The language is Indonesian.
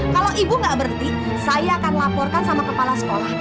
kalau ibu nggak berhenti saya akan laporkan sama kepala sekolah